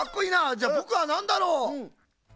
じゃぼくはなんだろう。